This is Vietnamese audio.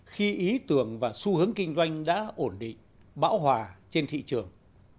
khi ý tưởng và xu hướng kinh doanh đã ổn định bão hòa trên thị trường